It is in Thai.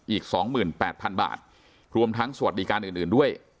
อีกสองหมื่นแปดพันบาทรวมทั้งสวัสดีการอื่นอื่นด้วย